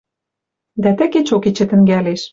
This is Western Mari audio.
Дӓ тӹ кечок эче тӹнгӓлеш